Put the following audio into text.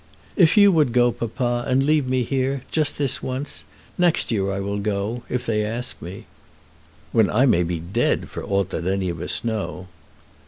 "If you would go, papa, and leave me here, just this once. Next year I will go, if they ask me." "When I may be dead, for aught that any of us know."